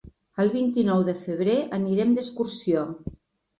El vint-i-nou de febrer anirem d'excursió.